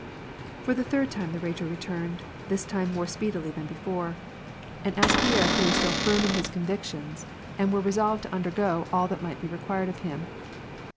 For the third time the Rhetor returned, this time more speedily than before, and asked Pierre if he were still firm in WAR AXn PEACE. 81 his convictions, and were resolved to undergo all that might be required of him.